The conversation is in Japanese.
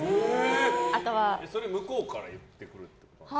それは向こうから言ってくるんですか。